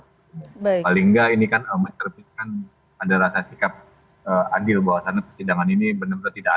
paling nggak ini kan masterpit kan ada rasa sikap adil bahwasannya persidangan ini benar benar tidak adil